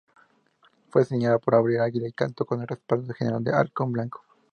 Fue diseñada por Abril Águila y contó con el respaldo del General Halcón Blanco.